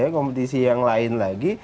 kompetisi yang lain lagi